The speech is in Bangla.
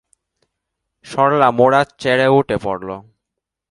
সরলা মোড়া ছেড়ে উঠে পড়ল।